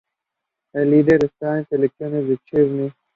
El líder de estas secciones es Chris Nee.